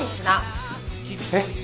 えっ？